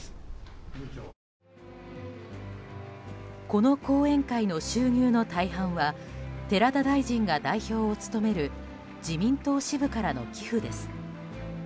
この後援会の収入の大半は寺田大臣が代表を務める自民党支部からの寄付です。